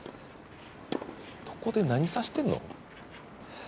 どこで何させてんの。